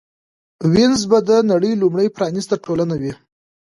وینز به د نړۍ لومړۍ پرانېسته ټولنه وي